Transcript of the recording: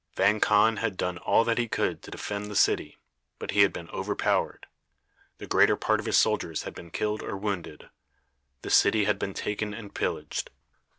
Vang Khan had done all that he could to defend the city, but he had been overpowered. The greater part of his soldiers had been killed or wounded. The city had been taken and pillaged.